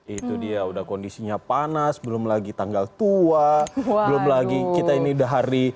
itu dia udah kondisinya panas belum lagi tanggal tua belum lagi kita ini udah hari